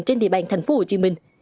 trên địa bàn thành phố hồ chí minh